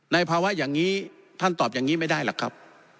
ภาวะอย่างนี้ท่านตอบอย่างนี้ไม่ได้หรอกครับ